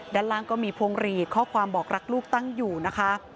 ด้านล่างก็มีพวงหลีดข้อความบอกรักลูกตั้งอยู่นะคะ